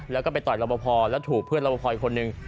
แล้วก็ไปต่อยรอบพอแล้วถูกเพื่อนรอบพออีกคนนึง